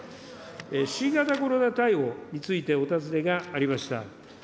新型コロナ対応についてお尋ねがありました。